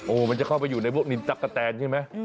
โอ้โหมันจะเข้าไปอยู่ในพวกนินตั๊กกะแตนใช่ไหม